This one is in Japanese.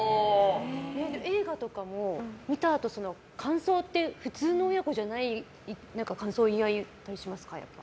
映画とかも見たあと、感想って普通の親子じゃない感想を言い合ったりしますか？